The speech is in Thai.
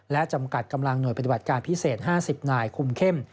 และจำกัดกำลังหน่วยปฏิบัติการพิเศษ๕๐นายคุมเข้ม